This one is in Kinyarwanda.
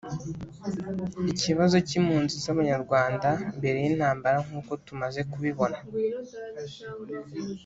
ikibazo cy'impunzi z'abanyarwanda mbere y'intambara nkuko tumaze kubibona,